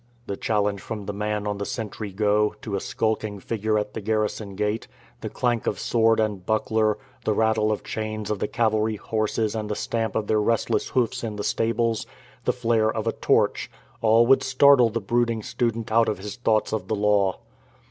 the challenge from the man on sentry go to a skulking figure at the garrison gate, the clank of sword and buckler, the rattle of chains of the cavalry horses and the stamp of their restless hoofs in the stables, the flare of a torch — all would startle the brooding student out of his thoughts of the Law.